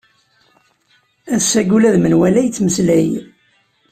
Ass-agi ula d menwala yettmeslay.